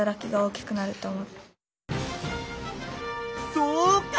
そうか！